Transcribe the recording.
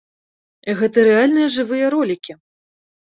Гэта рэальныя жывыя ролікі!